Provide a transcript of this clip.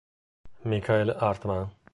Michael Hartmann